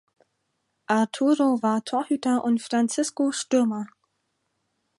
Arturo war Torhüter und Francisco Stürmer.